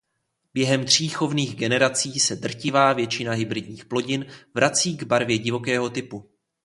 Během tří chovných generací se drtivá většina hybridních plodin vrací k barvě divokého typu.